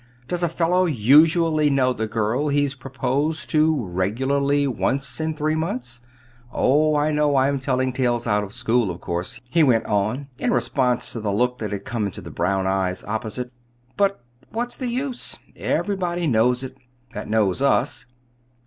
"Does a fellow usually know the girl he's proposed to regularly once in three months? Oh, I know I'm telling tales out of school, of course," he went on, in response to the look that had come into the brown eyes opposite. "But what's the use? Everybody knows it that knows us.